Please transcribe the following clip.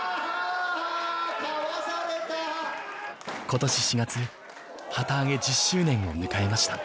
今年４月旗揚げ１０周年を迎えました。